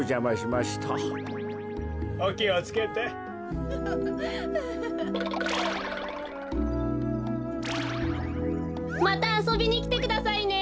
またあそびにきてくださいね。